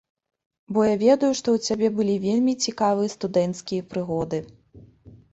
Бо я ведаю, што ў цябе былі вельмі цікавыя студэнцкія прыгоды.